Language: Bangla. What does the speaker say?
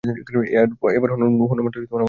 এখন হনুমানটা আমাদের ধাওয়া করছে!